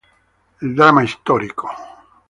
El drama histórico.